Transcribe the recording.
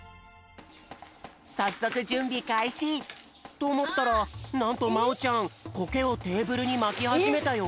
さっそくじゅんびかいし。とおもったらなんとまおちゃんコケをテーブルにまきはじめたよ。